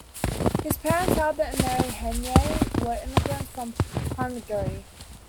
His parents, Albert and Mary Henyey, were immigrants from Hungary.